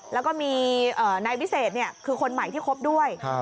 แล้วก็มีนายวิเศษคือคนใหม่ที่คบด้วย